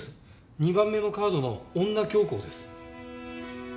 ２番目のカードの女教皇です。